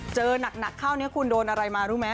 เจอหนักเข้านี้คุณโดนอะไรมารู้ไหม